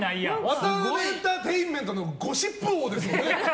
ワタナベエンターテインメントゴシップ王ですからね。